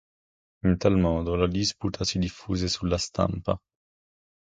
In tal modo la disputa si diffuse sulla stampa.